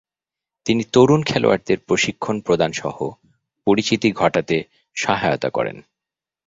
তিনি তরুণ খেলোয়াড়দের প্রশিক্ষণ প্রদানসহ পরিচিতি ঘটাতে সহায়তা করেন।